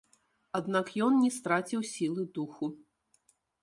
Аднак ён не страціў сілы духу.